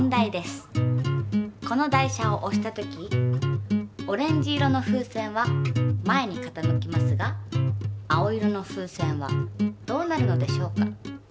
この台車を押した時オレンジ色の風船は前に傾きますが青色の風船はどうなるのでしょうか？